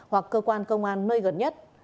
hoặc cơ quan công an nơi gần nhất